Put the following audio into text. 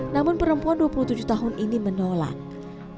namun perempuan dua puluh tujuh tahun ini menolak